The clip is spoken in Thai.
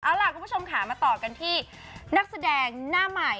เอาล่ะคุณผู้ชมค่ะมาต่อกันที่นักแสดงหน้าใหม่